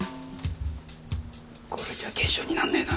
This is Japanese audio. これじゃ検証になんねえな。